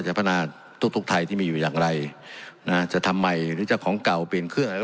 จะพนาศ์ตุ๊กตุ๊กไทยที่มีอยู่อย่างไรนะฮะจะทำใหม่หรือจะของเก่าเปลี่ยนเครื่อง